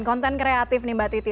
konten kreatif nih mbak titi